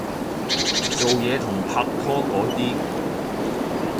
做嘢同拍拖嗰啲